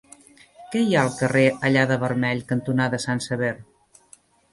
Què hi ha al carrer Allada-Vermell cantonada Sant Sever?